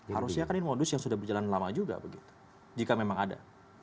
harusnya kan ini modus yang sudah berjalan lama juga begitu jika memang ada